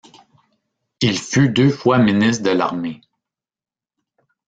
Il fut deux fois ministre de l'Armée.